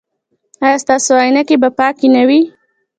ایا ستاسو عینکې به پاکې نه وي؟